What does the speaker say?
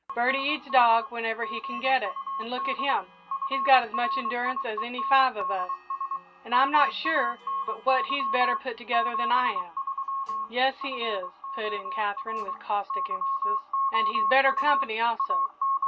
Birdie eats dog whenever he can get it, and look at him he's got as much endurance as any five of us, and I'm not sure but what he's better put together than I am." "Yes, he is," put in Katherine, with caustic emphasis; "and he's better company, also.